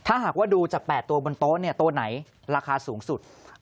ถ้าหากว่าดูจาก๘ตัวบนโต๊ะเนี่ยตัวไหนราคาสูงสุด